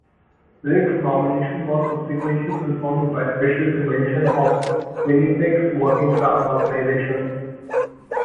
Rigg's nomination was subsequently confirmed by special convention of Winnipeg's working-class organizations.